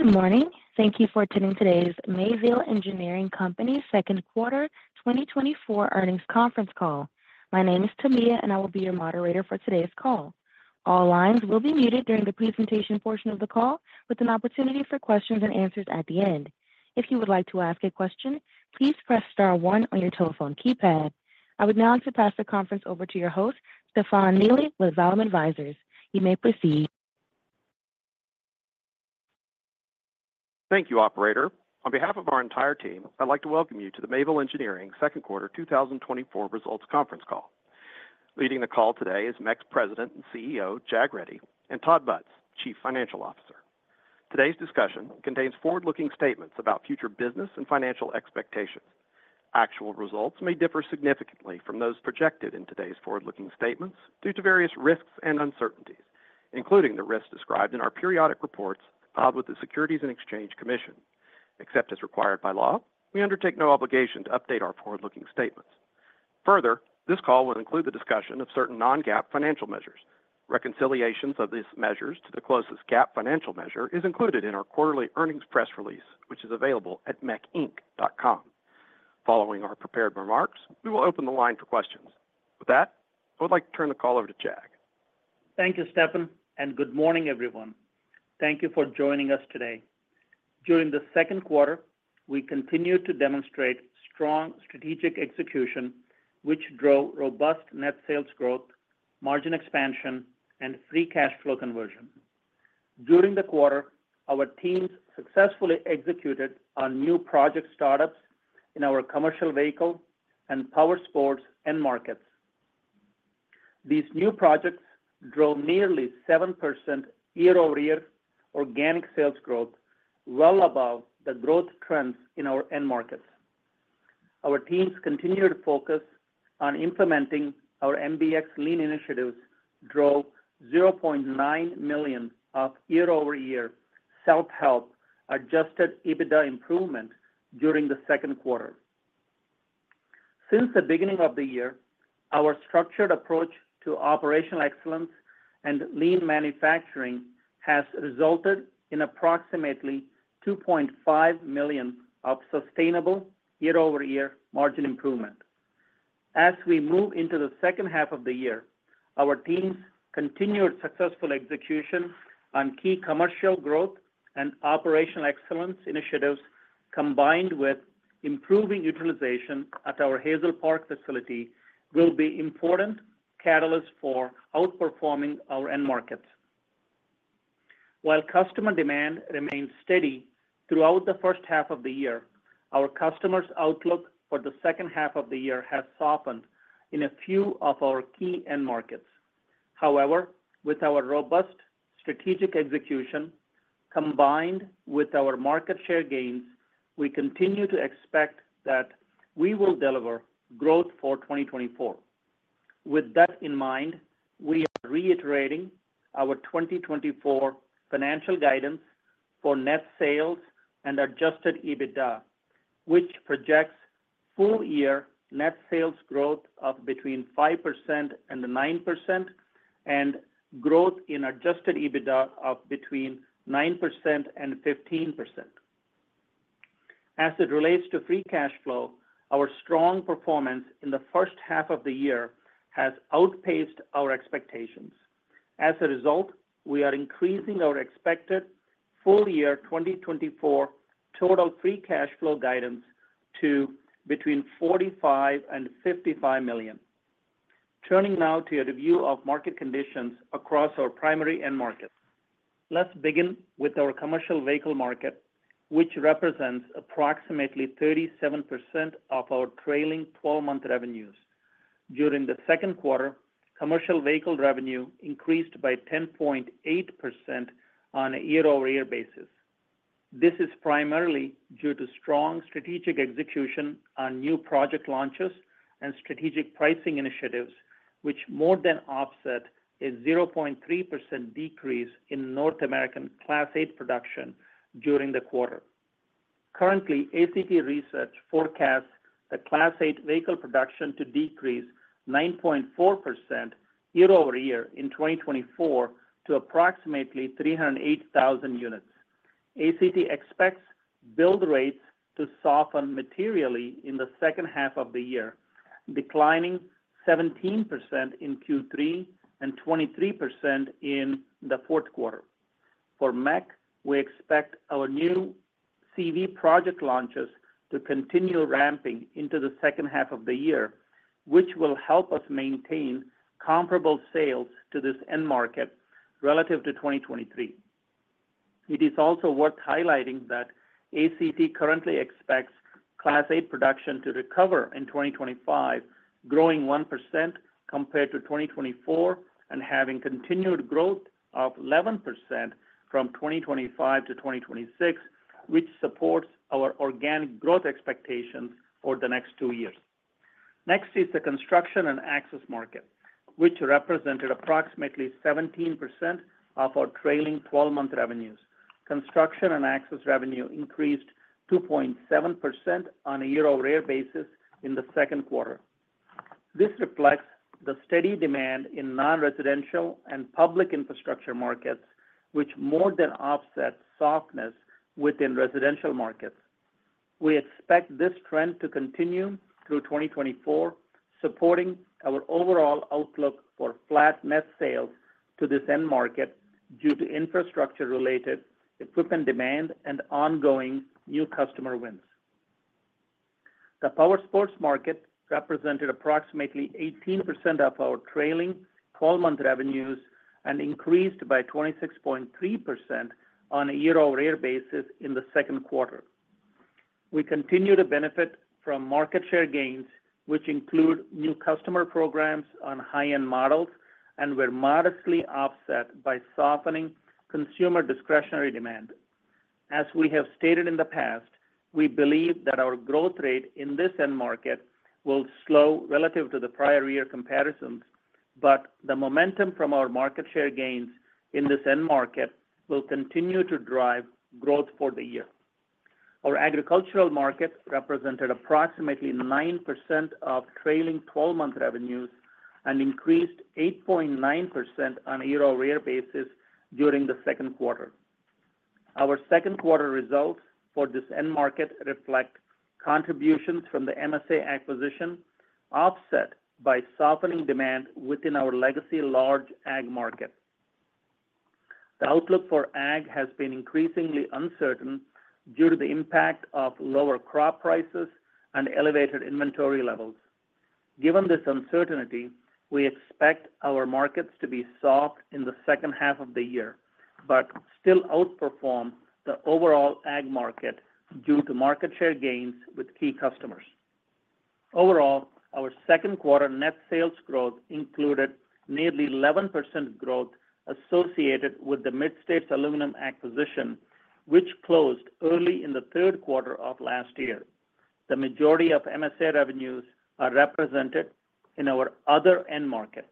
Good morning. Thank you for attending today's Mayville Engineering Company Q2 2024 Earnings Conference Call. My name is Tamia, and I will be your moderator for today's call. All lines will be muted during the presentation portion of the call, with an opportunity for questions and answers at the end. If you would like to ask a question, please press star one on your telephone keypad. I would now like to pass the conference over to your host, Stefan Neely, with Vallum Advisors. You may proceed. Thank you, operator. On behalf of our entire team, I'd like to welcome you to the Mayville Engineering Q2 2024 Results Conference Call. Leading the call today is MEC's President and CEO, Jag Reddy, and Todd Butz, Chief Financial Officer. Today's discussion contains forward-looking statements about future business and financial expectations. Actual results may differ significantly from those projected in today's forward-looking statements due to various risks and uncertainties, including the risks described in our periodic reports filed with the Securities and Exchange Commission. Except as required by law, we undertake no obligation to update our forward-looking statements. Further, this call will include the discussion of certain non-GAAP financial measures. Reconciliations of these measures to the closest GAAP financial measure is included in our quarterly earnings press release, which is available at meinc.com. Following our prepared remarks, we will open the line for questions. With that, I would like to turn the call over to Jag. Thank you, Stefan, and good morning, everyone. Thank you for joining us today. During the Q2, we continued to demonstrate strong strategic execution, which drove robust net sales growth, margin expansion, and free cash flow conversion. During the quarter, our teams successfully executed on new project startups in our commercial vehicle and power sports end markets. These new projects drove nearly 7% year-over-year organic sales growth, well above the growth trends in our end markets. Our teams continued to focus on implementing our MBX Lean initiatives, drove $0.9 million of year-over-year self-help adjusted EBITDA improvement during the Q2. Since the beginning of the year, our structured approach to operational excellence and lean manufacturing has resulted in approximately $2.5 million of sustainable year-over-year margin improvement. As we move into the second half of the year, our team's continued successful execution on key commercial growth and operational excellence initiatives, combined with improving utilization at our Hazel Park facility, will be important catalysts for outperforming our end markets. While customer demand remained steady throughout the first half of the year, our customers' outlook for the second half of the year has softened in a few of our key end markets. However, with our robust strategic execution, combined with our market share gains, we continue to expect that we will deliver growth for 2024. With that in mind, we are reiterating our 2024 financial guidance for net sales and Adjusted EBITDA, which projects full-year net sales growth of between 5% and 9%, and growth in Adjusted EBITDA of between 9% and 15%. As it relates to free cash flow, our strong performance in the first half of the year has outpaced our expectations. As a result, we are increasing our expected full-year 2024 total free cash flow guidance to between $45 million and 55 million. Turning now to a review of market conditions across our primary end markets. Let's begin with our commercial vehicle market, which represents approximately 37% of our trailing 12-months revenues. During the Q2, commercial vehicle revenue increased by 10.8% on a year-over-year basis. This is primarily due to strong strategic execution on new project launches and strategic pricing initiatives, which more than offset a 0.3% decrease in North American Class 8 production during the quarter. Currently, ACT Research forecasts the Class 8 vehicle production to decrease 9.4% year-over-year in 2024 to approximately 308,000 units. ACT expects build rates to soften materially in the second half of the year, declining 17% in Q3 and 23% in Q4. For MEIC, we expect our new CV project launches to continue ramping into the second half of the year, which will help us maintain comparable sales to this end market relative to 2023. It is also worth highlighting that ACT currently expects Class 8 production to recover in 2025, growing 1% compared to 2024, and having continued growth of 11% from 2025 to 2026, which supports our organic growth expectations for the next two years. Next is the construction and access market, which represented approximately 17% of our trailing twelve-month revenues. Construction and access revenue increased 2.7% on a year-over-year basis in the Q2.... This reflects the steady demand in non-residential and public infrastructure markets, which more than offset softness within residential markets. We expect this trend to continue through 2024, supporting our overall outlook for flat net sales to this end market due to infrastructure-related equipment demand and ongoing new customer wins. The powersports market represented approximately 18% of our trailing twelve-month revenues and increased by 26.3% on a year-over-year basis in Q2. We continue to benefit from market share gains, which include new customer programs on high-end models and were modestly offset by softening consumer discretionary demand. As we have stated in the past, we believe that our growth rate in this end market will slow relative to the prior year comparisons, but the momentum from our market share gains in this end market will continue to drive growth for the year. Our agricultural market represented approximately 9% of trailing twelve-month revenues and increased 8.9% on a year-over-year basis during the Q2. Our Q2 results for this end market reflect contributions from the MSA acquisition, offset by softening demand within our legacy large ag market. The outlook for ag has been increasingly uncertain due to the impact of lower crop prices and elevated inventory levels. Given this uncertainty, we expect our markets to be soft in the second half of the year, but still outperform the overall ag market due to market share gains with key customers. Overall, our Q2 net sales growth included nearly 11% growth associated with the Mid-States Aluminum acquisition, which closed early in the Q3 of last year. The majority of MSA revenues are represented in our other end market.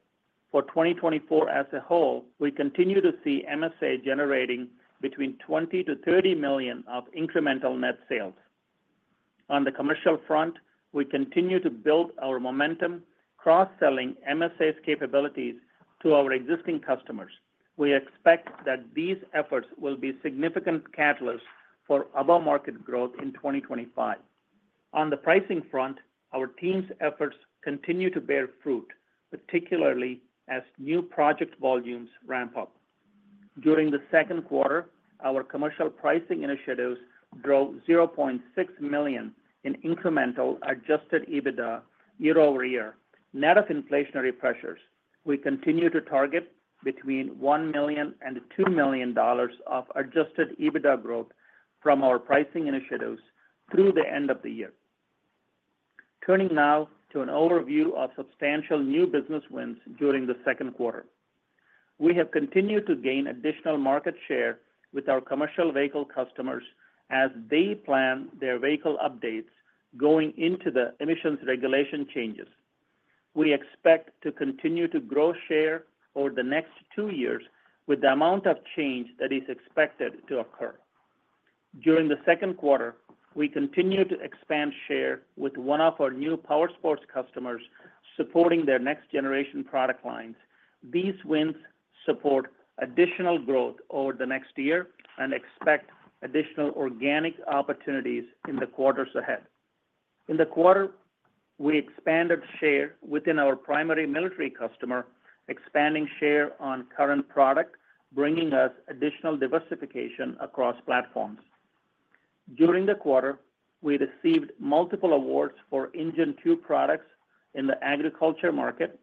For 2024 as a whole, we continue to see MSA generating between $20 -30 million of incremental net sales. On the commercial front, we continue to build our momentum, cross-selling MSA's capabilities to our existing customers. We expect that these efforts will be a significant catalyst for above-market growth in 2025. On the pricing front, our team's efforts continue to bear fruit, particularly as new project volumes ramp up. During the Q2, our commercial pricing initiatives drove $0.6 million in incremental Adjusted EBITDA year-over-year, net of inflationary pressures. We continue to target between $1 and 2 million of Adjusted EBITDA growth from our pricing initiatives through the end of the year. Turning now to an overview of substantial new business wins during the Q2. We have continued to gain additional market share with our commercial vehicle customers as they plan their vehicle updates going into the emissions regulation changes. We expect to continue to grow share over the next two years with the amount of change that is expected to occur. During the Q2, we continued to expand share with one of our new powersports customers, supporting their next generation product lines. These wins support additional growth over the next year and expect additional organic opportunities in the quarters ahead. In the quarter, we expanded share within our primary military customer, expanding share on current product, bringing us additional diversification across platforms. During the quarter, we received multiple awards for engine 2 products in the agriculture market,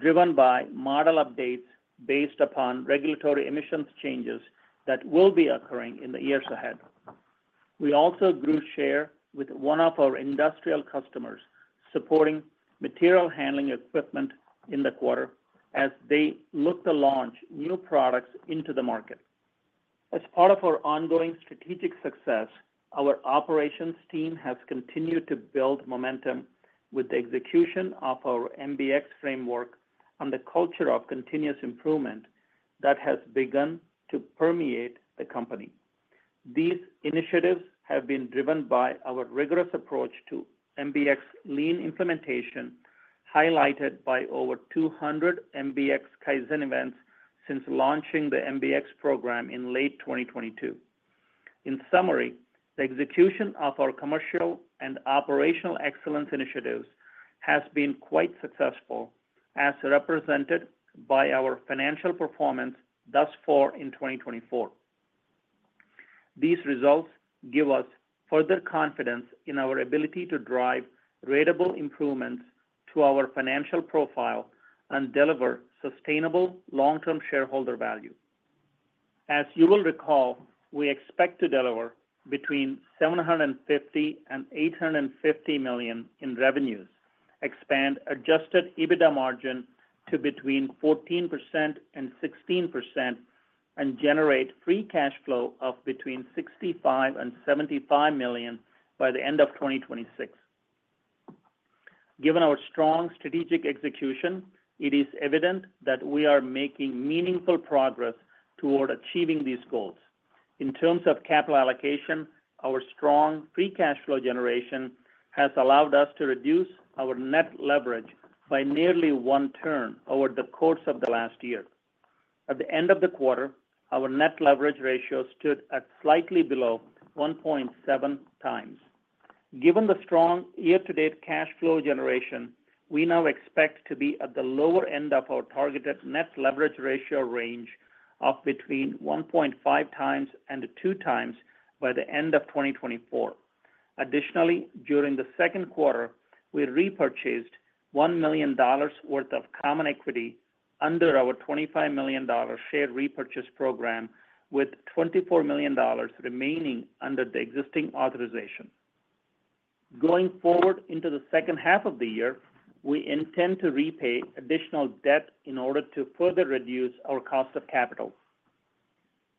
driven by model updates based upon regulatory emissions changes that will be occurring in the years ahead. We also grew share with one of our industrial customers, supporting material handling equipment in the quarter as they look to launch new products into the market. As part of our ongoing strategic success, our operations team has continued to build momentum with the execution of our MBX framework and the culture of continuous improvement that has begun to permeate the company. These initiatives have been driven by our rigorous approach to MBX lean implementation, highlighted by over 200 MBX Kaizen events since launching the MBX program in late 2022. In summary, the execution of our commercial and operational excellence initiatives has been quite successful, as represented by our financial performance thus far in 2024. These results give us further confidence in our ability to drive ratable improvements to our financial profile and deliver sustainable long-term shareholder value. As you will recall, we expect to deliver between $750 and 850 million in revenues, expand adjusted EBITDA margin to between 14% and 16%, and generate free cash flow of between $65 and 75 million by the end of 2026. Given our strong strategic execution, it is evident that we are making meaningful progress toward achieving these goals.... In terms of capital allocation, our strong free cash flow generation has allowed us to reduce our net leverage by nearly one turn over the course of the last year. At the end of the quarter, our net leverage ratio stood at slightly below 1.7x. Given the strong year-to-date cash flow generation, we now expect to be at the lower end of our targeted net leverage ratio range of between 1.5x and 2x by the end of 2024. Additionally, during the Q2, we repurchased $1 million worth of common equity under our $25 million share repurchase program, with $24 million remaining under the existing authorization. Going forward into the second half of the year, we intend to repay additional debt in order to further reduce our cost of capital.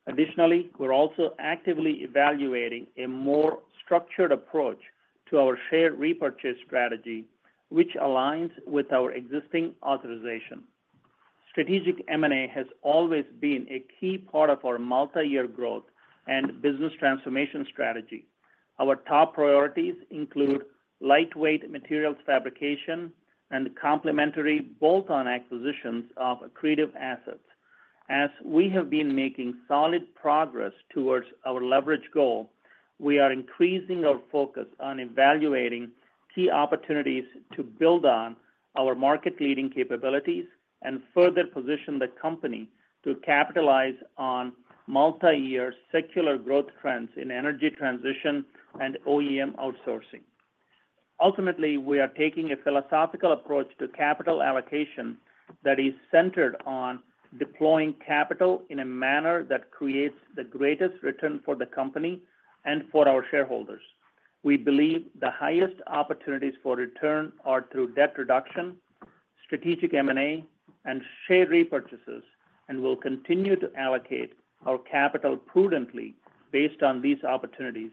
Additionally, we're also actively evaluating a more structured approach to our share repurchase strategy, which aligns with our existing authorization. Strategic M&A has always been a key part of our multi-year growth and business transformation strategy. Our top priorities include lightweight materials fabrication and complementary bolt-on acquisitions of accretive assets. As we have been making solid progress towards our leverage goal, we are increasing our focus on evaluating key opportunities to build on our market-leading capabilities and further position the company to capitalize on multi-year secular growth trends in energy transition and OEM outsourcing. Ultimately, we are taking a philosophical approach to capital allocation that is centered on deploying capital in a manner that creates the greatest return for the company and for our shareholders. We believe the highest opportunities for return are through debt reduction, strategic M&A, and share repurchases, and we'll continue to allocate our capital prudently based on these opportunities.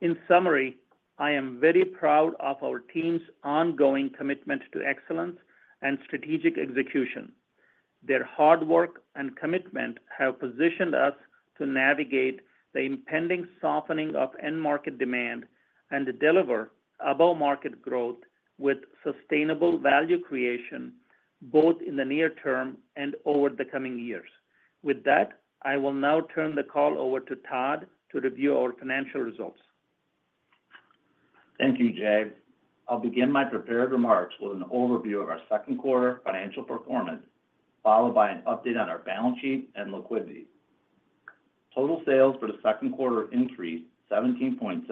In summary, I am very proud of our team's ongoing commitment to excellence and strategic execution. Their hard work and commitment have positioned us to navigate the impending softening of end market demand and to deliver above market growth with sustainable value creation, both in the near term and over the coming years. With that, I will now turn the call over to Todd to review our financial results. Thank you, Jag. I'll begin my prepared remarks with an overview of our Q2 financial performance, followed by an update on our balance sheet and liquidity. Total sales for Q2 increased 17.7%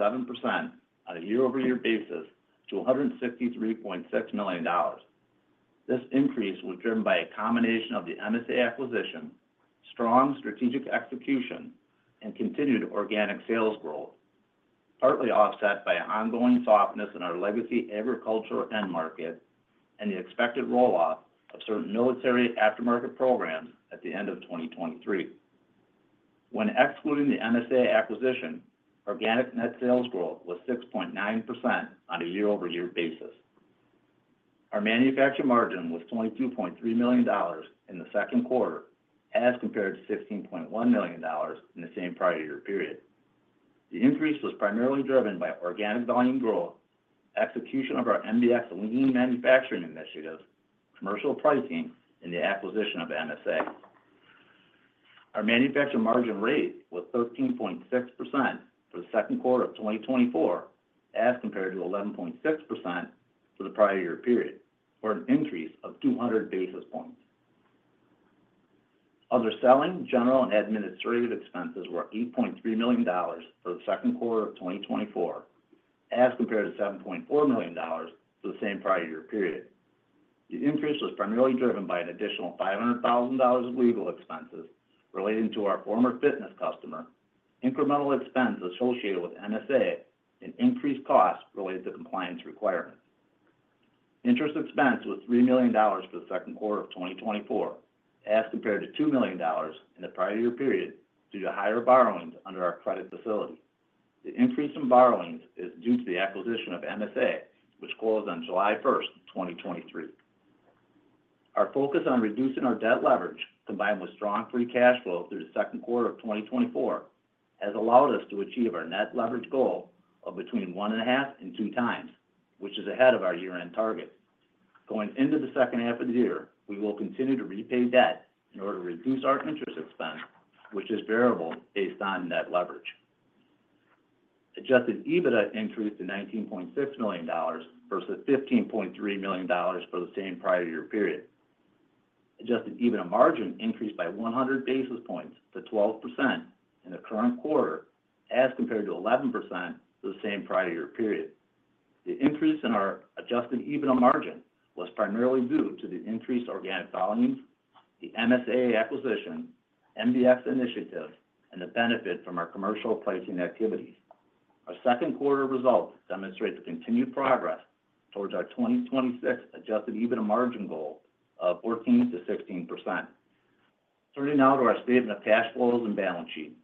on a year-over-year basis to $163.6 million. This increase was driven by a combination of the MSA acquisition, strong strategic execution, and continued organic sales growth, partly offset by ongoing softness in our legacy agricultural end market and the expected roll-off of certain military aftermarket programs at the end of 2023. When excluding the MSA acquisition, organic net sales growth was 6.9% on a year-over-year basis. Our manufacturing margin was $22.3 in Q2, as compared to 16.1 million in the same prior year period. The increase was primarily driven by organic volume growth, execution of our MBX lean manufacturing initiatives, commercial pricing, and the acquisition of MSA. Our manufacturing margin rate was 13.6% for the Q2 of 2024, as compared to 11.6% for the prior year period, or an increase of 200 basis points. Other selling, general, and administrative expenses were $8.3 million for Q2 of 2024, as compared to $7.4 million for the same prior year period. The increase was primarily driven by an additional $500,000 of legal expenses relating to our former fitness customer, incremental expense associated with MSA, and increased costs related to compliance requirements. Interest expense was $3 million for Q2 of 2024, as compared to $2 million in the prior year period, due to higher borrowings under our credit facility. The increase in borrowings is due to the acquisition of MSA, which closed on July 1, 2023. Our focus on reducing our debt leverage, combined with strong free cash flow through Q2 of 2024, has allowed us to achieve our net leverage goal of between 1.5x and 2x, which is ahead of our year-end target. Going into the second half of the year, we will continue to repay debt in order to reduce our interest expense, which is variable based on net leverage. Adjusted EBITDA increased to $19.6 versus 15.3 million for the same prior year period. Adjusted EBITDA margin increased by 100 basis points to 12% in the current quarter, as compared to 11% for the same prior year period. The increase in our adjusted EBITDA margin was primarily due to the increased organic volumes, the MSA acquisition, MBX initiatives, and the benefit from our commercial pricing activities. Our Q2 results demonstrate the continued progress towards our 2026 adjusted EBITDA margin goal of 14%-16%. Turning now to our statement of cash flows and balance sheet.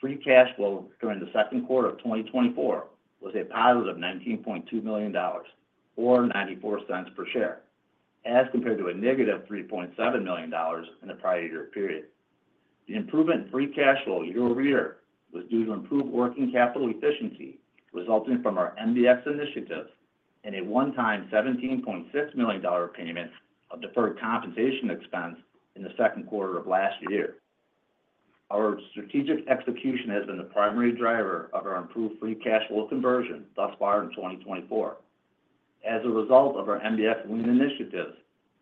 Free cash flow during the Q2 of 2024 was a positive $19.2 million, or $0.94 per share... as compared to a negative $3.7 million in the prior year period. The improvement in free cash flow year-over-year was due to improved working capital efficiency, resulting from our MBX initiative and a one-time $17.6 million payment of deferred compensation expense in the Q2 of last year. Our strategic execution has been the primary driver of our improved free cash flow conversion thus far in 2024. As a result of our MBX winning initiatives,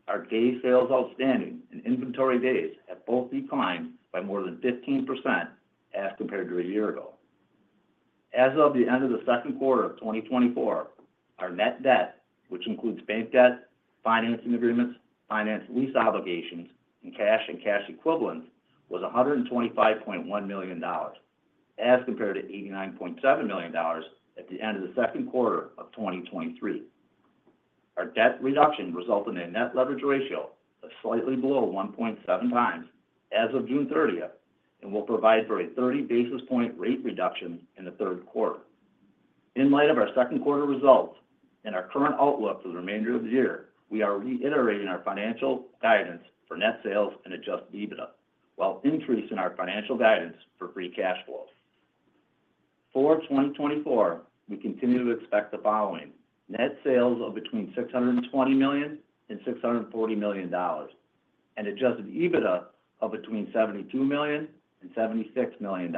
our day sales outstanding and inventory days have both declined by more than 15% as compared to a year ago. As of the end of Q2 of 2024, our net debt, which includes bank debt, financing agreements, finance lease obligations, and cash and cash equivalents, was $125.1 as compared to 89.7 million at the end of Q2 of 2023. Our debt reduction resulted in a Net Leverage Ratio of slightly below 1.7x as of June 30, and will provide for a 30 basis point rate reduction in the Q3. In light of our Q2 results and our current outlook for the remainder of the year, we are reiterating our financial guidance for net sales and Adjusted EBITDA, while increasing our financial guidance for Free Cash Flow. For 2024, we continue to expect the following: Net sales of between $620 million and $640 million, and Adjusted EBITDA of between $72 and 76 million.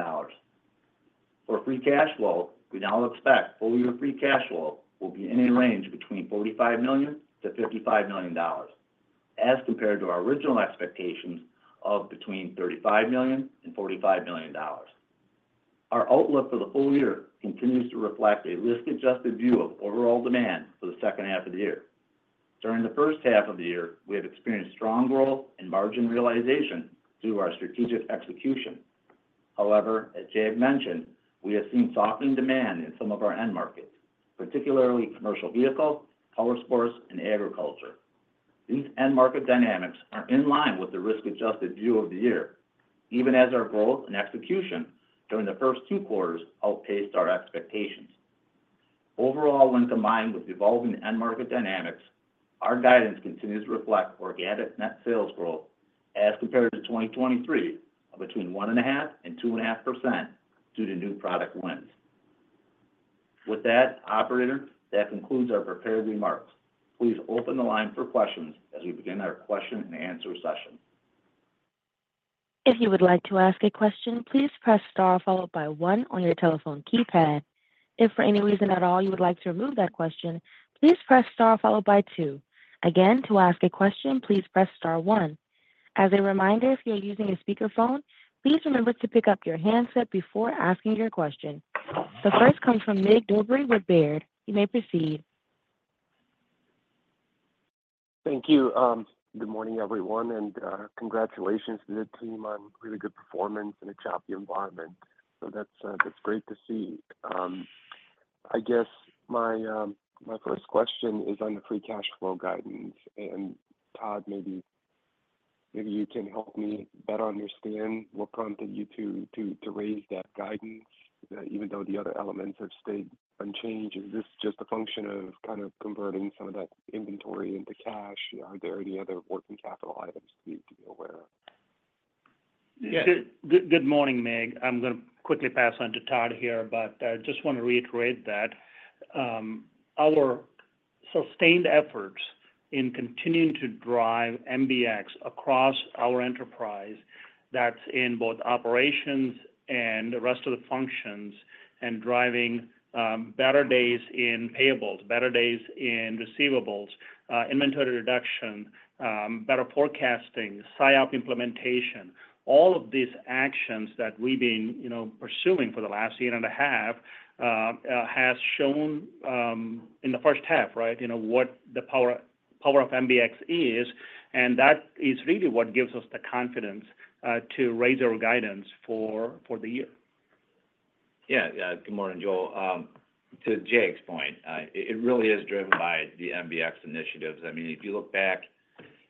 For Free Cash Flow, we now expect full year Free Cash Flow will be in a range between $45 to 55 million, as compared to our original expectations of between $35 and 45 million. Our outlook for the full year continues to reflect a risk-adjusted view of overall demand for the second half of the year. During the first half of the year, we have experienced strong growth and margin realization through our strategic execution. However, as Jag mentioned, we have seen softening demand in some of our end markets, particularly commercial vehicle, powersports, and agriculture. These end market dynamics are in line with the risk-adjusted view of the year, even as our growth and execution during the first two quarters outpaced our expectations. Overall, when combined with evolving end market dynamics, our guidance continues to reflect organic net sales growth as compared to 2023 of between 1.5% and 2.5% due to new product wins. With that, operator, that concludes our prepared remarks. Please open the line for questions as we begin our question and answer session. If you would like to ask a question, please press star followed by one on your telephone keypad. If for any reason at all, you would like to remove that question, please press star followed by two. Again, to ask a question, please press star one. As a reminder, if you are using a speakerphone, please remember to pick up your handset before asking your question. The first comes from Mircea Dobre with Baird. You may proceed. Thank you. Good morning, everyone, and congratulations to the team on really good performance in a choppy environment. So that's, that's great to see. I guess my first question is on the free cash flow guidance. Todd, maybe you can help me better understand what prompted you to raise that guidance, even though the other elements have stayed unchanged. Is this just a function of kind of converting some of that inventory into cash? Are there any other working capital items we need to be aware of? Good, good morning, Mig. I'm going to quickly pass on to Todd here, but I just want to reiterate that, our sustained efforts in continuing to drive MBX across our enterprise, that's in both operations and the rest of the functions, and driving, better days in payables, better days in receivables, inventory reduction, better forecasting, SIOP implementation. All of these actions that we've been, you know, pursuing for the last year and a half, has shown, in the first half, right, you know, what the power, power of MBX is, and that is really what gives us the confidence, to raise our guidance for, for the year. Yeah. Good morning. To Jag's point, it really is driven by the MBX initiatives. I mean, if you look back,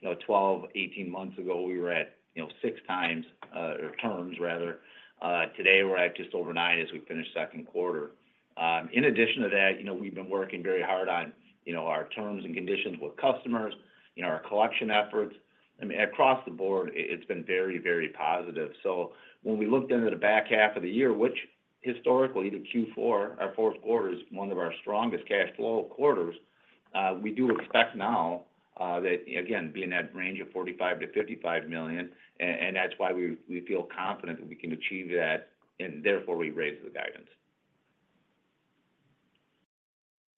you know, 12, 18 months ago, we were at, you know, six times, or terms rather. Today, we're at just over nine as we finish Q2. In addition to that, you know, we've been working very hard on, you know, our terms and conditions with customers, you know, our collection efforts. I mean, across the board, it's been very, very positive. So when we looked into the back half of the year, which historically, the Q4, our Q4, is one of our strongest cash flow quarters, we do expect now, that again, be in that range of $45 -55 million, and, and that's why we, we feel confident that we can achieve that, and therefore, we raise the guidance.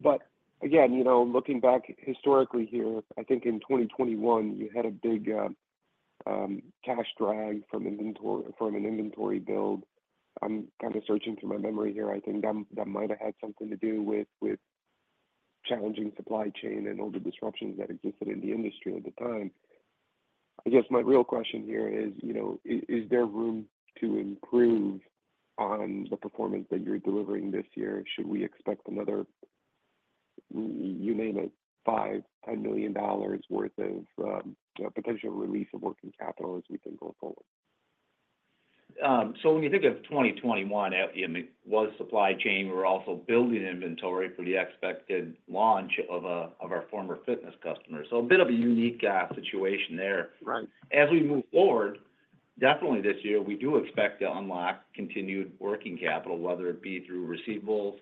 But again, you know, looking back historically here, I think in 2021, you had a big cash drag from inventory—from an inventory build. I'm kinda searching through my memory here. I think that might have had something to do with challenging supply chain and all the disruptions that existed in the industry at the time. I guess my real question here is, you know, is there room to improve on the performance that you're delivering this year? Should we expect another, you name it, $5, $10 million worth of potential release of working capital as we think going forward?... so when you think of 2021, at the end, it was supply chain. We were also building inventory for the expected launch of our former fitness customers. So a bit of a unique situation there. Right. As we move forward, definitely this year, we do expect to unlock continued working capital, whether it be through receivables,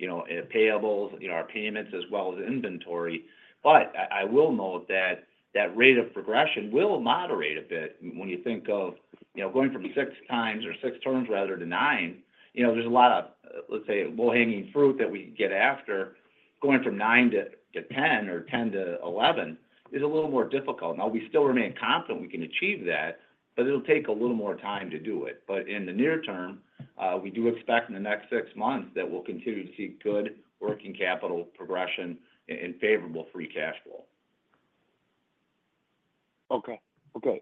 you know, payables, you know, our payments as well as inventory. But I, I will note that that rate of progression will moderate a bit when you think of, you know, going from six times or six turns rather, to nine, you know, there's a lot of, let's say, low-hanging fruit that we can get after. Going from nine to, to 10 or 10 to 11 is a little more difficult. Now, we still remain confident we can achieve that, but it'll take a little more time to do it. But in the near term, we do expect in the next six months that we'll continue to see good working capital progression and, and favorable free cash flow. Okay. Okay,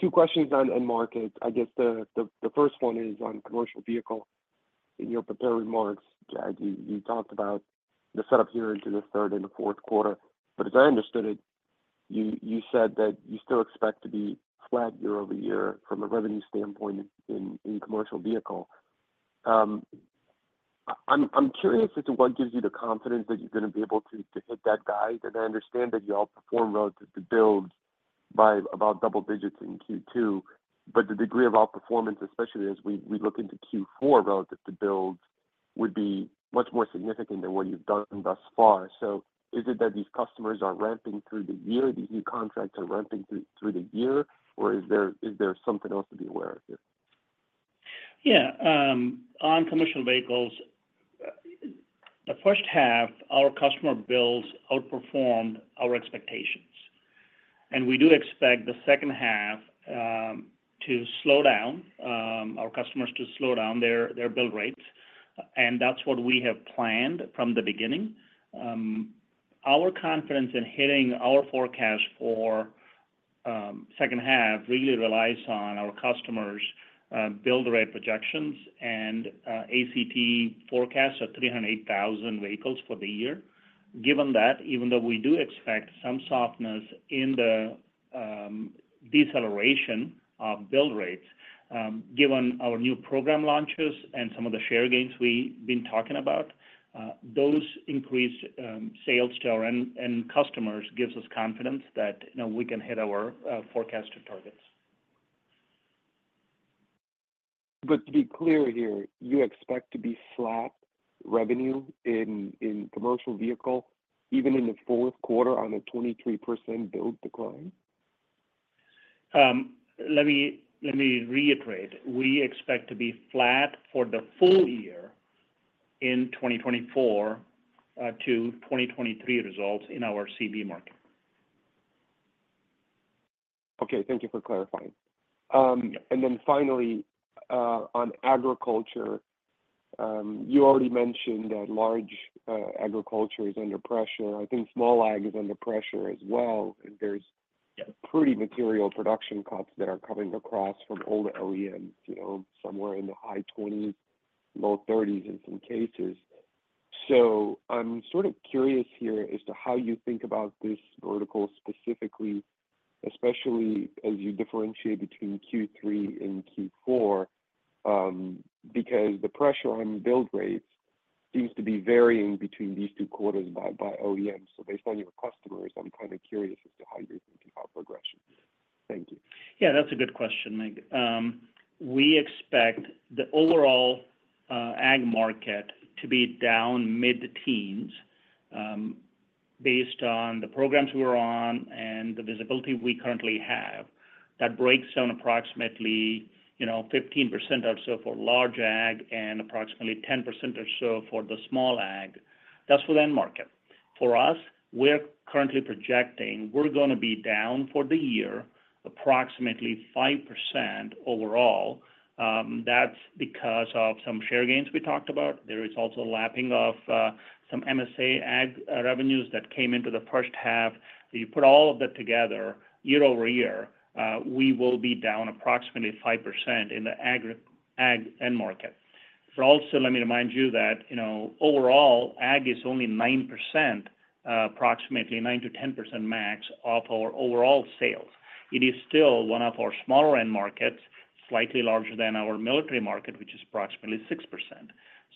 two questions on end market. I guess the first one is on commercial vehicle. In your prepared remarks, Jag, you talked about the setup here into the third and Q4, but as I understood it, you said that you still expect to be flat year-over-year from a revenue standpoint in commercial vehicle. I'm curious as to what gives you the confidence that you're gonna be able to hit that guide? And I understand that you outperformed relative to builds by about double digits in Q2, but the degree of outperformance, especially as we look into Q4 relative to builds, would be much more significant than what you've done thus far. So is it that these customers are ramping through the year, these new contracts are ramping through, through the year, or is there, is there something else to be aware of here? Yeah, on commercial vehicles, the first half, our customer builds outperformed our expectations, and we do expect the second half to slow down, our customers to slow down their build rates, and that's what we have planned from the beginning. Our confidence in hitting our forecast for second half really relies on our customers' build rate projections and ACT forecasts of 308,000 vehicles for the year. Given that, even though we do expect some softness in the deceleration of build rates, given our new program launches and some of the share gains we've been talking about, those increased sales to our end customers gives us confidence that, you know, we can hit our forecasted targets. But to be clear here, you expect to be flat revenue in commercial vehicle, even in Q4 on a 23% build decline? Let me, let me reiterate. We expect to be flat for the full year in 2024 to 2023 results in our CB market. Okay. Thank you for clarifying. And then finally, on agriculture, you already mentioned that large agriculture is under pressure. I think small ag is under pressure as well. There's- Yeah... pretty material production cuts that are coming across from all the OEMs, you know, somewhere in the high 20s, low 30s in some cases. So I'm sort of curious here as to how you think about this vertical specifically, especially as you differentiate between Q3 and Q4, because the pressure on build rates seems to be varying between these two quarters by OEMs. So based on your customers, I'm kind of curious as to how you're thinking about progression. Thank you. Yeah, that's a good question, Mircea. We expect the overall ag market to be down mid-teens based on the programs we're on and the visibility we currently have. That breaks down approximately, you know, 15% or so for large ag and approximately 10% or so for the small ag. That's for end market. For us, we're currently projecting we're gonna be down for the year, approximately 5% overall. That's because of some share gains we talked about. There is also a lapping of some MSA ag revenues that came into the first half. So you put all of that together, year-over-year, we will be down approximately 5% in the ag end market. But also, let me remind you that, you know, overall, ag is only 9%, approximately 9%-10% max, of our overall sales. It is still one of our smaller end markets, slightly larger than our military market, which is approximately 6%.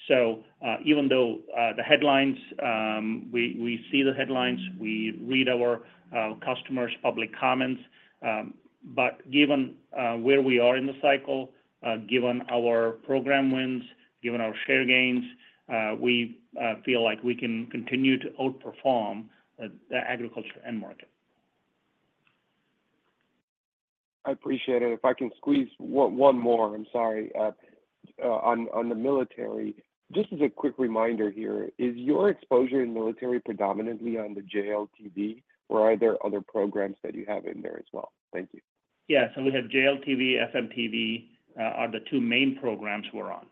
So, even though the headlines, we see the headlines, we read our customers' public comments, but given where we are in the cycle, given our program wins, given our share gains, we feel like we can continue to outperform the agriculture end market. I appreciate it. If I can squeeze one more, I'm sorry, on the military. Just as a quick reminder here, is your exposure in military predominantly on the JLTV, or are there other programs that you have in there as well? Thank you. Yes, so we have JLTV, FMTV, are the two main programs we're on.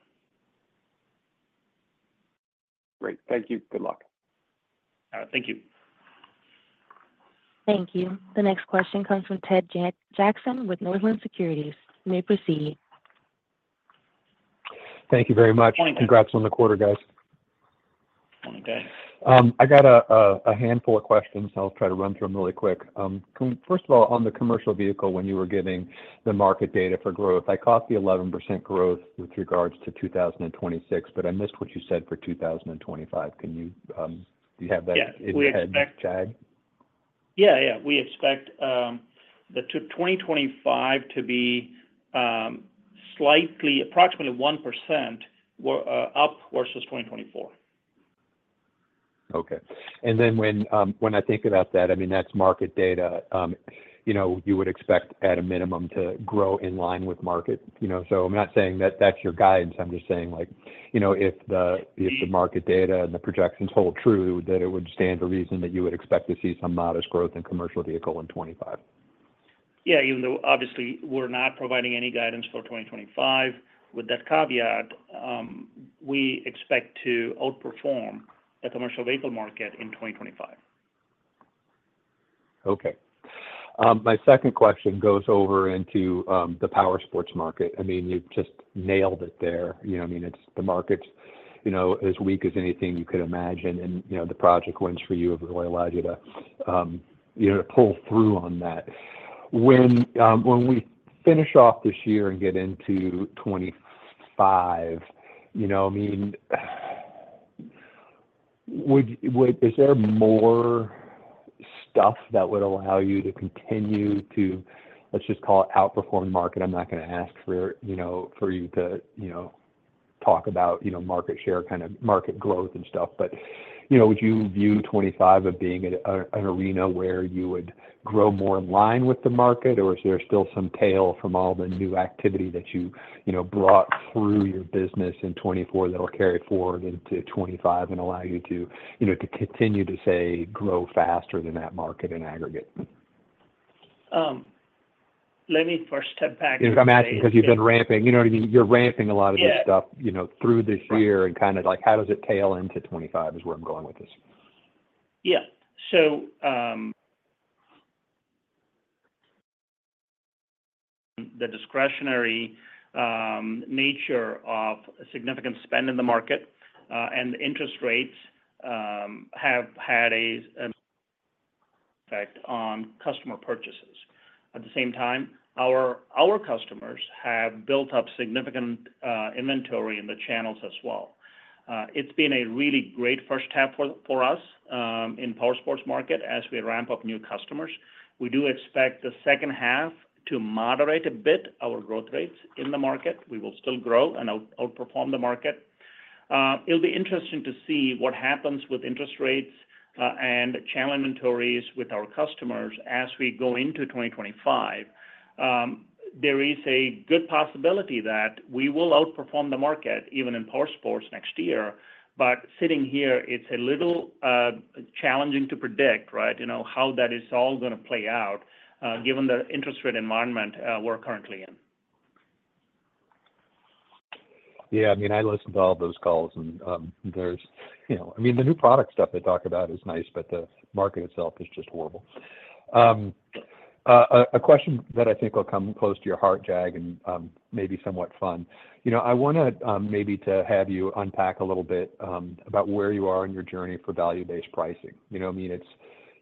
Great. Thank you. Good luck. All right, thank you. Thank you. The next question comes from Ted Jackson with Northland Securities. You may proceed.... Thank you very much. Congrats on the quarter, guys. Okay. I got a handful of questions, I'll try to run through them really quick. First of all, on the commercial vehicle, when you were giving the market data for growth, I caught the 11% growth with regards to 2026, but I missed what you said for 2025. Can you, do you have that- Yeah- In your head, Jag? Yeah, yeah. We expect the 2025 to be slightly approximately 1% up versus 2024. Okay. And then when, when I think about that, I mean, that's market data. You know, you would expect at a minimum, to grow in line with market, you know? So I'm not saying that that's your guidance, I'm just saying, like, you know, if the, if the market data and the projections hold true, that it would stand to reason that you would expect to see some modest growth in commercial vehicle in 2025. Yeah, even though obviously we're not providing any guidance for 2025, with that caveat, we expect to outperform the commercial vehicle market in 2025. Okay. My second question goes over into the power sports market. I mean, you just nailed it there. You know, I mean, it's the market's, you know, as weak as anything you could imagine, and, you know, the project wins for you have really allowed you to, you know, pull through on that. When, when we finish off this year and get into 2025, you know, I mean, would, would—is there more stuff that would allow you to continue to, let's just call it, outperform the market? I'm not gonna ask for, you know, for you to, you know, talk about, you know, market share, kind of, market growth and stuff, but, you know, would you view 2025 of being at an arena where you would grow more in line with the market, or is there still some tail from all the new activity that you, you know, brought through your business in 2024 that will carry forward into 2025 and allow you to, you know, to continue to, say, grow faster than that market in aggregate? Let me first step back- If I'm asking, because you've been ramping, you know what I mean? You're ramping a lot of this stuff- Yeah... you know, through this year and kind of like, how does it tail into 2025, is where I'm going with this. Yeah. So, the discretionary nature of significant spend in the market and interest rates have had a effect on customer purchases. At the same time, our customers have built up significant inventory in the channels as well. It's been a really great first half for us in power sports market as we ramp up new customers. We do expect the second half to moderate a bit our growth rates in the market. We will still grow and outperform the market. It'll be interesting to see what happens with interest rates and channel inventories with our customers as we go into 2025. There is a good possibility that we will outperform the market, even in power sports next year. But sitting here, it's a little challenging to predict, right, you know, how that is all gonna play out, given the interest rate environment, we're currently in. Yeah, I mean, I listen to all those calls, and, there's, you know... I mean, the new product stuff they talk about is nice, but the market itself is just horrible. A question that I think will come close to your heart, Jag, and, maybe somewhat fun. You know, I wanna, maybe to have you unpack a little bit, about where you are on your journey for value-based pricing. You know, I mean, it's,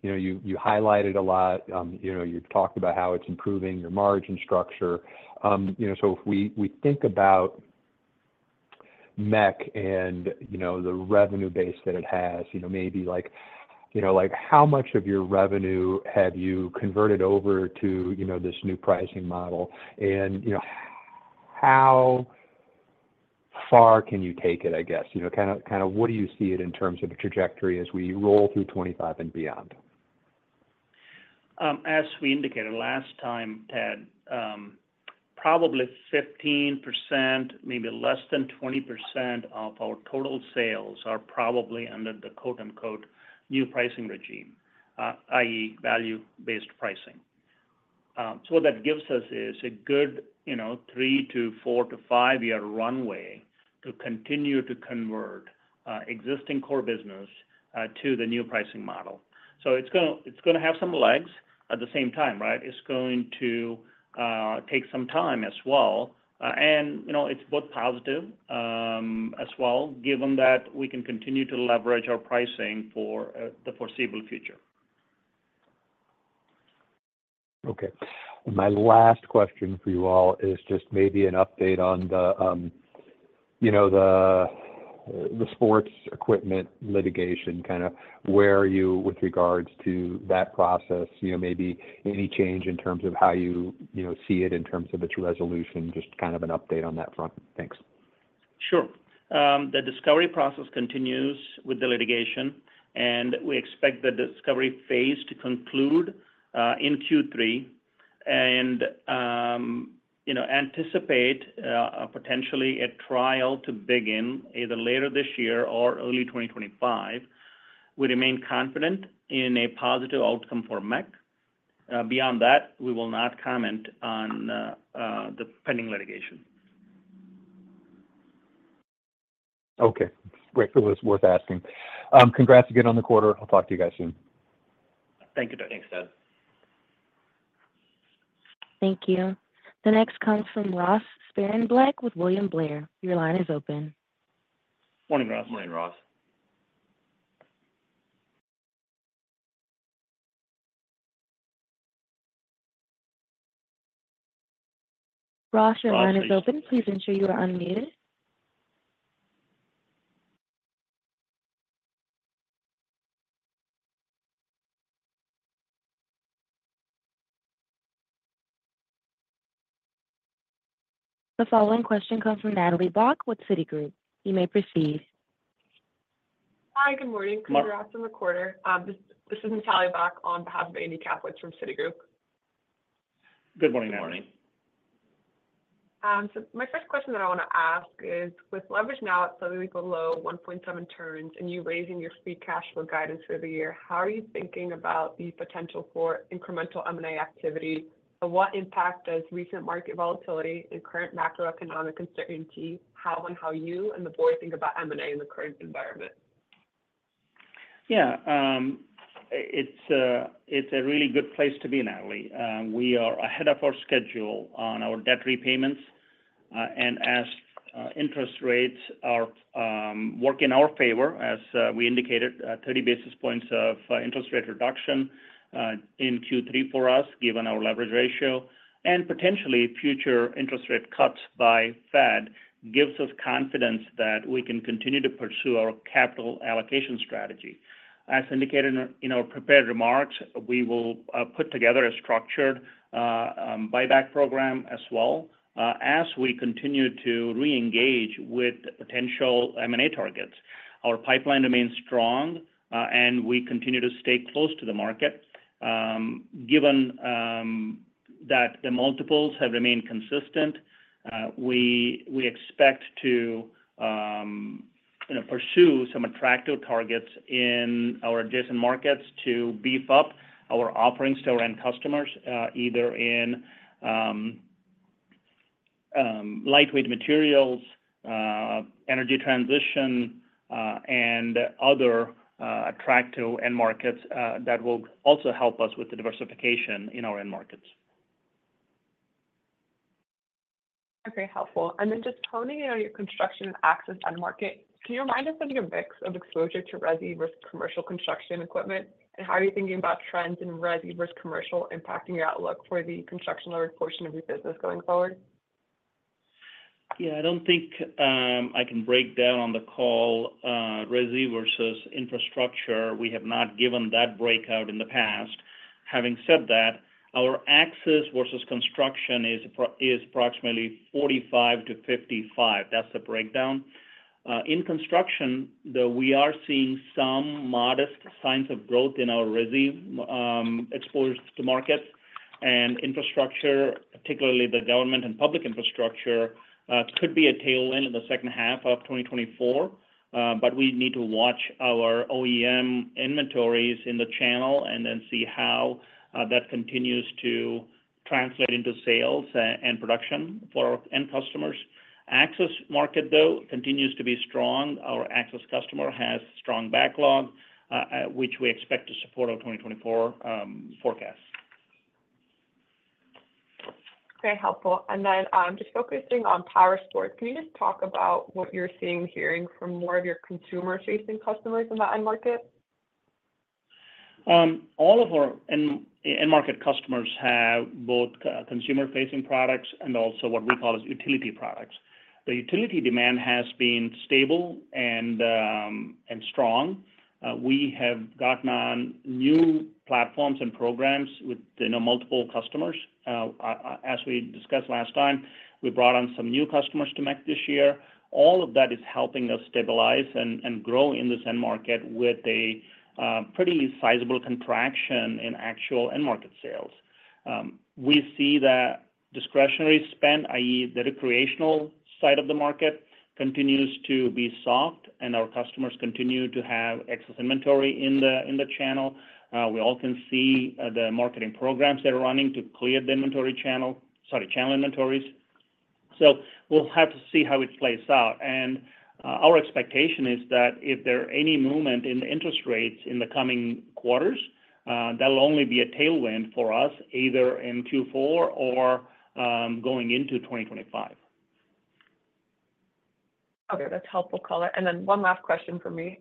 you know, you highlight it a lot, you know, you've talked about how it's improving your margin structure. You know, so if we think about MEC and, you know, the revenue base that it has, you know, maybe like, you know, like, how much of your revenue have you converted over to, you know, this new pricing model? You know, how far can you take it, I guess? You know, kind of, kind of what do you see it in terms of the trajectory as we roll through 2025 and beyond? As we indicated last time, Ted, probably 15%, maybe less than 20% of our total sales are probably under the quote-unquote "new pricing regime," i.e., value-based pricing. So what that gives us is a good, you know, three to four to 5-year runway to continue to convert existing core business to the new pricing model. So it's gonna, it's gonna have some legs at the same time, right? It's going to take some time as well. And, you know, it's both positive as well, given that we can continue to leverage our pricing for the foreseeable future. Okay. My last question for you all is just maybe an update on the, you know, the sports equipment litigation, kind of, where are you with regards to that process? You know, maybe any change in terms of how you, you know, see it in terms of its resolution, just kind of an update on that front. Thanks. Sure. The discovery process continues with the litigation, and we expect the discovery phase to conclude in Q3, and you know, anticipate potentially a trial to begin either later this year or early 2025. We remain confident in a positive outcome for MEC. Beyond that, we will not comment on the pending litigation. Okay, great. It was worth asking. Congrats again on the quarter. I'll talk to you guys soon. Thank you, Ted. Thanks, Ted... Thank you. The next comes from Ross Sparenblek with William Blair. Your line is open. Morning, Ross. Morning, Ross. Ross, your line is open. Please ensure you are unmuted. The following question comes from Natalia Bak with Citigroup. You may proceed. Hi, good morning. Can you hear us in the recorder? This is Natalia Bak on behalf of Andy Kaplowitz from Citigroup. Good morning, Natalie. My first question that I want to ask is, with leverage now slightly below 1.7 turns, and you raising your Free Cash Flow guidance for the year, how are you thinking about the potential for incremental M&A activity? And what impact does recent market volatility and current macroeconomic uncertainty have on how you and the board think about M&A in the current environment? Yeah, it's a really good place to be, Natalie. We are ahead of our schedule on our debt repayments, and as interest rates are working in our favor, as we indicated, 30 basis points of interest rate reduction in Q3 for us, given our leverage ratio, and potentially future interest rate cuts by Fed, gives us confidence that we can continue to pursue our capital allocation strategy. As indicated in our prepared remarks, we will put together a structured buyback program as well, as we continue to reengage with potential M&A targets. Our pipeline remains strong, and we continue to stay close to the market. Given that the multiples have remained consistent, we expect to, you know, pursue some attractive targets in our adjacent markets to beef up our offerings to our end customers, either in lightweight materials, energy transition, and other attractive end markets that will also help us with the diversification in our end markets. Okay, helpful. Then just honing in on your construction access end market, can you remind us of your mix of exposure to resi versus commercial construction equipment? How are you thinking about trends in resi versus commercial impacting your outlook for the construction order portion of your business going forward? Yeah, I don't think I can break down on the call resi versus infrastructure. We have not given that breakout in the past. Having said that, our access versus construction is approximately 45-55. That's the breakdown. In construction, though, we are seeing some modest signs of growth in our resi exposed to markets and infrastructure, particularly the government and public infrastructure could be a tailwind in the second half of 2024. But we need to watch our OEM inventories in the channel and then see how that continues to translate into sales and production for our end customers. Access market, though, continues to be strong. Our access customer has strong backlog which we expect to support our 2024 forecast. Very helpful. And then, just focusing on power sports, can you just talk about what you're seeing and hearing from more of your consumer-facing customers in that end market? All of our end market customers have both consumer-facing products and also what we call as utility products. The utility demand has been stable and strong. We have gotten on new platforms and programs with, you know, multiple customers. As we discussed last time, we brought on some new customers to MEC this year. All of that is helping us stabilize and grow in this end market with a pretty sizable contraction in actual end market sales. We see that discretionary spend, i.e., the recreational side of the market, continues to be soft, and our customers continue to have excess inventory in the channel. We all can see the marketing programs they're running to clear the inventory channel, sorry, channel inventories. So we'll have to see how it plays out. Our expectation is that if there are any movement in the interest rates in the coming quarters, that will only be a tailwind for us, either in Q4 or, going into 2025. Okay, that's helpful color. And then one last question for me.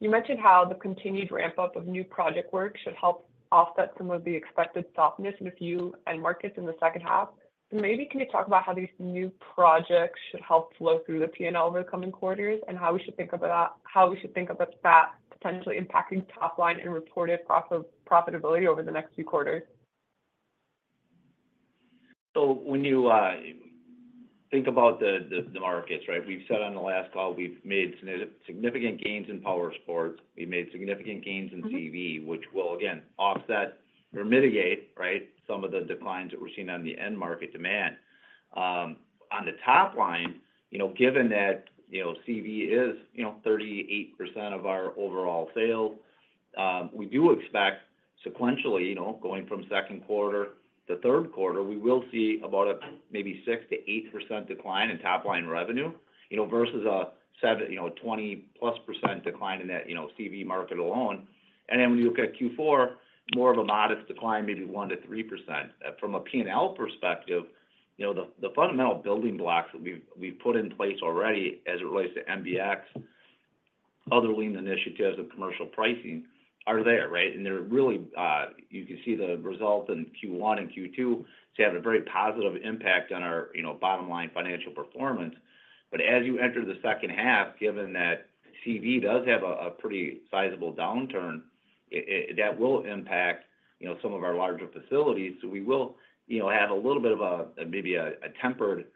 You mentioned how the continued ramp-up of new project work should help offset some of the expected softness in a few end markets in the second half. Maybe, can you talk about how these new projects should help flow through the P&L over the coming quarters, and how we should think about that potentially impacting top line and reported profit, profitability over the next few quarters? So when you think about the markets, right, we've said on the last call, we've made significant gains in power sports. We've made significant gains in CV- Mm-hmm... which will again, offset or mitigate, right, some of the declines that we're seeing on the end market demand. On the top line, you know, given that, you know, CV is, you know, 38% of our overall sales, we do expect sequentially, you know, going from Q2 to Q3, we will see about a maybe 6%-8% decline in top line revenue, you know, versus a seven, you know, 20%+ percent decline in that, you know, CV market alone. And then when you look at Q4, more of a modest decline, maybe 1%-3%. From a P&L perspective, you know, the fundamental building blocks that we've put in place already as it relates to MBX, other lean initiatives and commercial pricing are there, right? And they're really, you can see the results in Q1 and Q2 to have a very positive impact on our, you know, bottom line financial performance. But as you enter the second half, given that CV does have a pretty sizable downturn, it that will impact, you know, some of our larger facilities. So we will, you know, have a little bit of a, maybe a tempered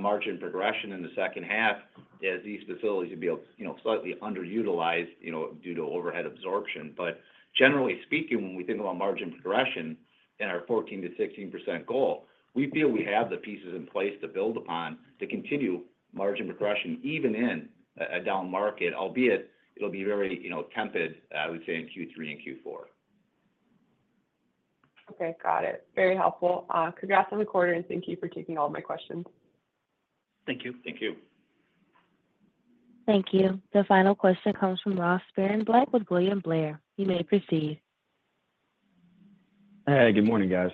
margin progression in the second half as these facilities will be, you know, slightly underutilized, you know, due to overhead absorption. But generally speaking, when we think about margin progression and our 14%-16% goal, we feel we have the pieces in place to build upon to continue margin progression, even in a down market, albeit it'll be very, you know, tempered, I would say, in Q3 and Q4. Okay, got it. Very helpful. Congrats on the quarter, and thank you for taking all my questions. Thank you. Thank you. Thank you. The final question comes from Ross Sparenblek with William Blair. You may proceed. Hey, good morning, guys.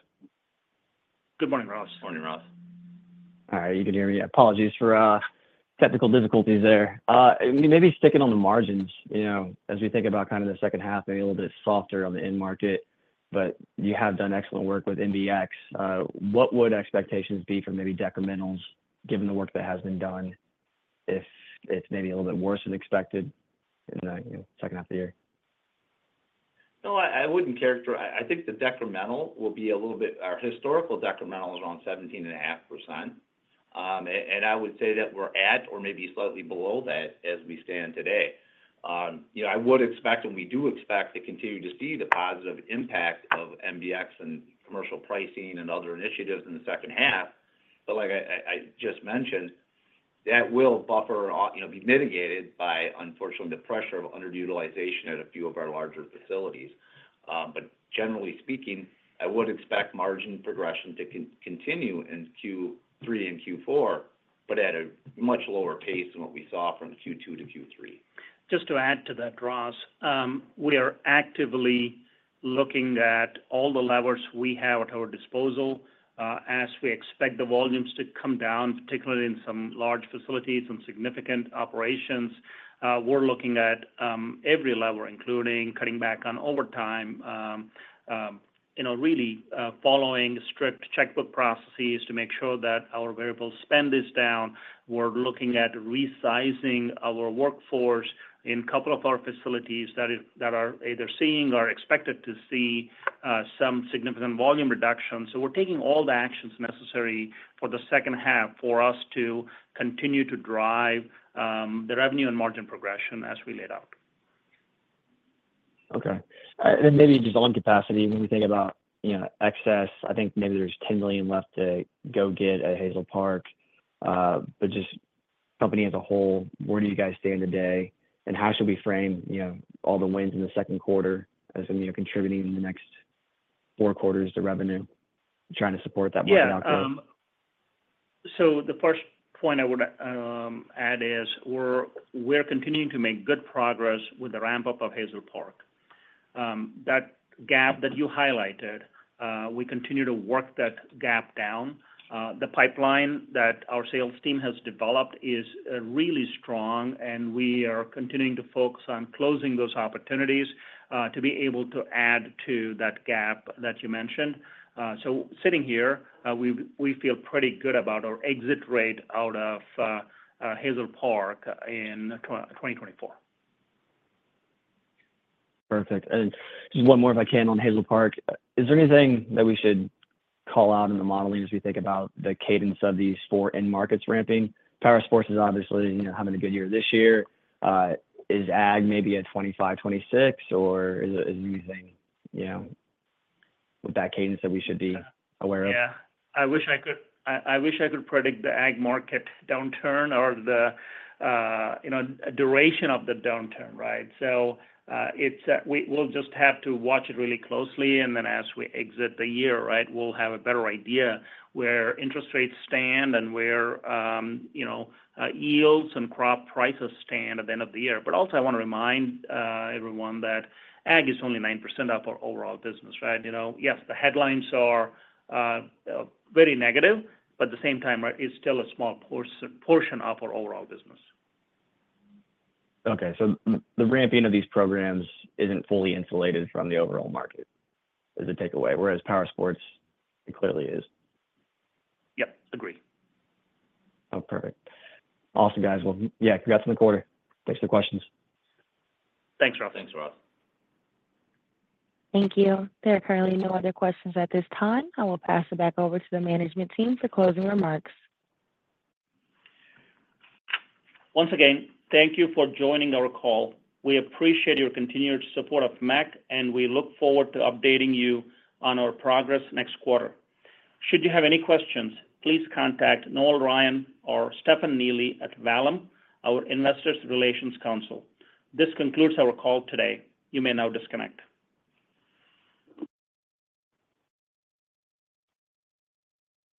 Good morning, Ross. Morning, Ross. All right, you can hear me. Apologies for technical difficulties there. Maybe sticking on the margins, you know, as we think about kind of the second half, maybe a little bit softer on the end market, but you have done excellent work with MBX. What would expectations be for maybe decrementals, given the work that has been done, if it's maybe a little bit worse than expected in the, you know, second half of the year? No, I wouldn't characterize—I think the decremental will be a little bit—Our historical decremental is around 17.5%. And I would say that we're at or maybe slightly below that as we stand today. You know, I would expect, and we do expect to continue to see the positive impact of MBX and commercial pricing and other initiatives in the second half. But like I just mentioned, that will buffer or, you know, be mitigated by, unfortunately, the pressure of underutilization at a few of our larger facilities. But generally speaking, I would expect margin progression to continue in Q3 and Q4, but at a much lower pace than what we saw from Q2 to Q3. Just to add to that, Ross, we are actively looking at all the levers we have at our disposal, as we expect the volumes to come down, particularly in some large facilities, some significant operations. We're looking at every lever, including cutting back on overtime, you know, really following strict checkbook processes to make sure that our variable spend is down. We're looking at resizing our workforce in a couple of our facilities that are either seeing or are expected to see some significant volume reduction. So we're taking all the actions necessary for the second half for us to continue to drive the revenue and margin progression as we laid out. Okay. And maybe just on capacity, when we think about, you know, excess, I think maybe there's $10 million left to go get at Hazel Park. But just company as a whole, where do you guys stand today? And how should we frame, you know, all the wins in Q2 as, you know, contributing in the next four quarters to revenue, trying to support that margin outlook? Yeah. So the first point I would add is we're continuing to make good progress with the ramp-up of Hazel Park. That gap that you highlighted, we continue to work that gap down. The pipeline that our sales team has developed is really strong, and we are continuing to focus on closing those opportunities to be able to add to that gap that you mentioned. So sitting here, we feel pretty good about our exit rate out of Hazel Park in 2024. Perfect. And just one more, if I can, on Hazel Park. Is there anything that we should call out in the modeling as we think about the cadence of these four end markets ramping? Powersports is obviously, you know, having a good year this year. Is ag maybe at 2025, 2026, or is there anything, you know, with that cadence that we should be aware of? Yeah. I wish I could predict the ag market downturn or the, you know, duration of the downturn, right? So, we'll just have to watch it really closely, and then as we exit the year, right, we'll have a better idea where interest rates stand and where, you know, yields and crop prices stand at the end of the year. But also, I wanna remind everyone that ag is only 9% of our overall business, right? You know, yes, the headlines are very negative, but at the same time, right, it's still a small portion of our overall business. Okay. So the ramping of these programs isn't fully insulated from the overall market, is the takeaway, whereas Powersports, it clearly is. Yep, agreed. Oh, perfect. Awesome, guys. Well, yeah, congrats on the quarter. Thanks for the questions. Thanks, Ross. Thanks, Ross. Thank you. There are currently no other questions at this time. I will pass it back over to the management team for closing remarks. Once again, thank you for joining our call. We appreciate your continued support of MEC, and we look forward to updating you on our progress next quarter. Should you have any questions, please contact Noel Ryan or Stefan Neely at Vallum, our investor relations counsel. This concludes our call today. You may now disconnect.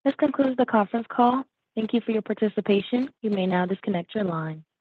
This concludes the conference call. Thank you for your participation. You may now disconnect your line.